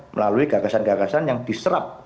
melalui gagasan gagasan yang diserap